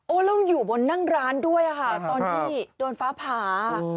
แล้วอยู่บนนั่งร้านด้วยค่ะตอนที่โดนฟ้าผ่า